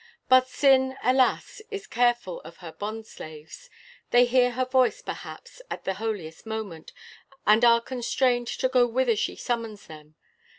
But Sin, alas! is careful of her bondslaves; they hear her voice, perhaps, at the holiest moment, and are constrained to go whither she summons them.